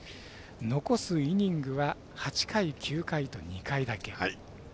残すイニングは８回、９回の２回だけ。